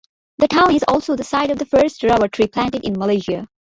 The town is also the site of the first rubber tree planted in Malaysia.